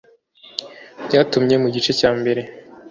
Byatumye mu gice cya mbere